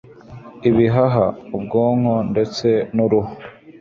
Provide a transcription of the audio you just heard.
ibihaha, ubwonko ndetse n'uruhu